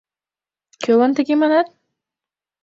— Кӧлан тыге манат?